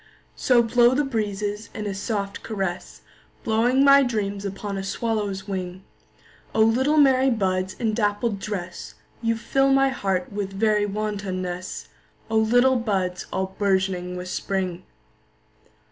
So blow the breezes in a soft caress, Blowing my dreams upon a swallow's wing;O little merry buds in dappled dress, You fill my heart with very wantonness—O little buds all bourgeoning with Spring!